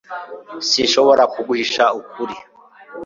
sinshobora kuguhisha ukuri